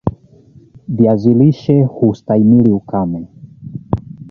Viazi lishe hustahimili ukame